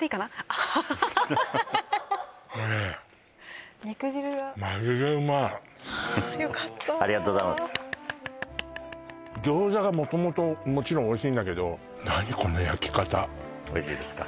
ハハハハハッねえ肉汁がよかったありがとうございます餃子が元々もちろんおいしいんだけど何この焼き方おいしいですか？